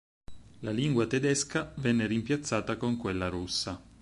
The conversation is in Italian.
La lingua tedesca venne rimpiazzata con quella russa.